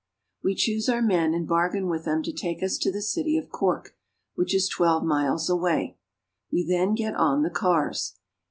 We choose our men, and bargain with them to take us to the city of Cork, which is twelve miles away (see map, p. 51). We then get on the " cars."